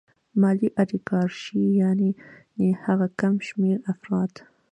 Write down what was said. مالي الیګارشي یانې هغه کم شمېر افراد